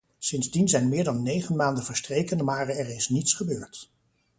Sindsdien zijn meer dan negen maanden verstreken maar er is niets gebeurd.